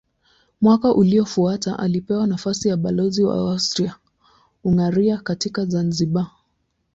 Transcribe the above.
Mwaka uliofuata alipewa nafasi ya balozi wa Austria-Hungaria katika Zanzibar.